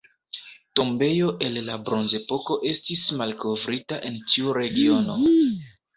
Tombejo el la Bronzepoko estis malkovrita en tiu regiono.